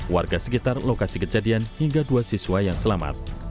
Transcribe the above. warga sekitar lokasi kejadian hingga dua siswa yang selamat